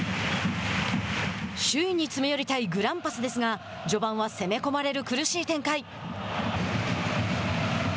首位に詰め寄りたいグランパスですが序盤は攻め込まれる苦しい展開。